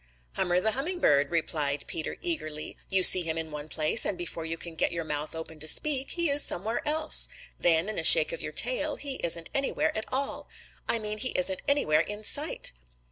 "Hummer the Hummingbird," replied Peter eagerly. "You see him in one place and before you can get your mouth open to speak, he is somewhere else. Then in a shake of your tail he isn't anywhere at all. I mean he isn't anywhere in sight."